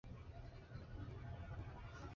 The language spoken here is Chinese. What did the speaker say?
这边一盏路灯都没有